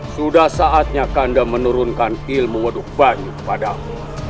sudah saatnya kanda menurunkan ilmu waduk banyu kepadamu